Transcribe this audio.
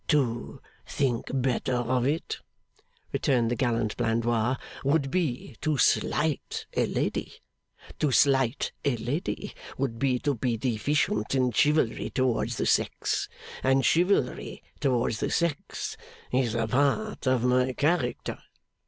'To think better of it,' returned the gallant Blandois, 'would be to slight a lady; to slight a lady would be to be deficient in chivalry towards the sex; and chivalry towards the sex is a part of my character!